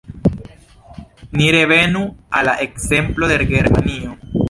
Ni revenu al la ekzemplo de Germanio.